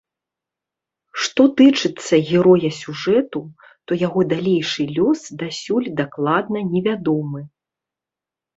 Што тычыцца героя сюжэту, то яго далейшы лёс дасюль дакладна невядомы.